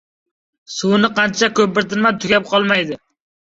• Suvni qancha ko‘pirtirma, tugab qolmaydi.